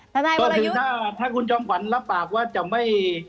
ท่านนายวรยุทธิ์ถ้าคุณจอมขวัญรับปากว่าจะไม่